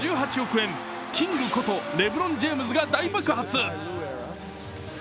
円、キングことレブロン・ジェームズが大爆発。